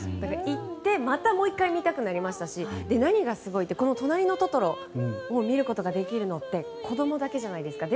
行ってもう１回見たくなりましたし何がすごいって「となりのトトロ」が見ることができるのって子供だけじゃないですか。